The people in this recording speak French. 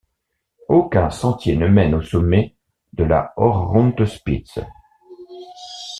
Aucun sentier ne mène au sommet de la Hochgundspitze.